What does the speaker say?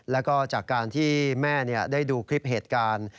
แล้วก็จากการที่แม่ได้ดูคลิปเหตุการณ์